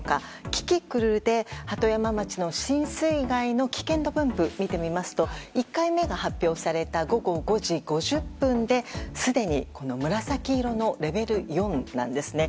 キキクルで鳩山町の浸水害の危険度分布を見てみますと１回目が発表された午後５時５０分ですでに紫色のレベル４なんですね。